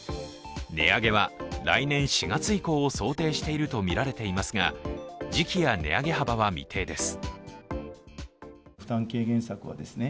値上げは来年４月以降を想定しているとみられていますが時期や値上げ幅は未定です。